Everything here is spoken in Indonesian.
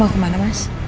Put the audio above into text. mau kemana mas